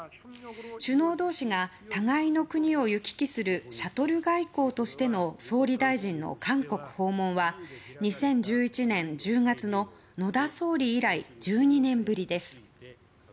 首脳同士が互いの国を行き来するシャトル外交としての総理大臣の韓国訪問は２０１１年１０月の野田総理以来１２年ぶりです。